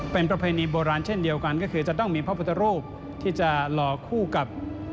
เป็นประเพณีโบราณเช่นเดียวกันก็คือจะต้องมีพระพุทธรูปที่จะหล่อคู่กับ